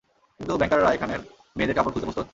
কিন্তু ব্যাংকাররা এখানের মেয়েদের কাপড় খুলতে প্রস্তুত?